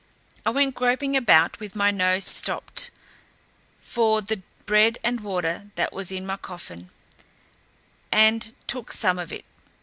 I went groping about, with my nose stopped, for the bread and water that was in my coffin, and took some of it.